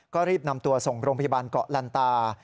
ก็รีบนำตัวส่งโรงพยาบาลเกาะลันตา